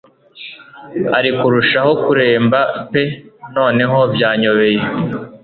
ari kurushaho kuremba pe noneho byanyobeye